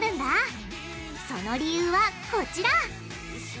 その理由はこちら！